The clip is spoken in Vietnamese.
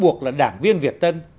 cố buộc là đảng viên việt tân